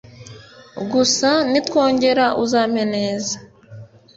gusa nitwongera uzampe neza